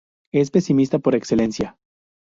Es pesimista por excelencia.